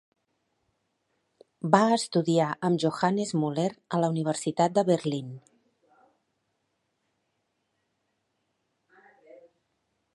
Va estudiar amb Johannes Muller a la Universitat de Berlín.